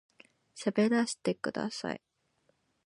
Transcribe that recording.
喋らせてください